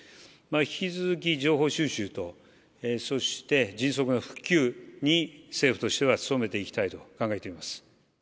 引き続き情報収集とそして迅速な復旧に、政府としては努めていきたいと考えています。